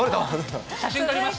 写真撮りました？